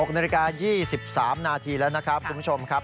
๖นาฬิกา๒๓นาทีแล้วนะครับคุณผู้ชมครับ